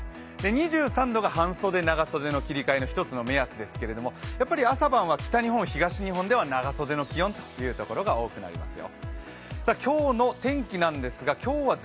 ２３度が半袖、長袖の切り替えの一つの目安ですけれども、朝晩は北日本、東日本では長袖の気温というところが多くなりそうですよ。